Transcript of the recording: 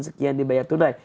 sekian dibayar tunai